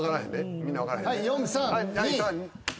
みんな分からへんで。